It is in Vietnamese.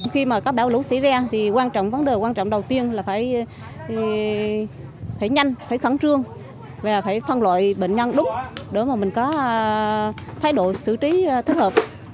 khi bão lũ xảy ra quan trọng đầu tiên là phải nhanh khẳng trương và phân loại bệnh nhân đúng để có thay đổi xử trí thích hợp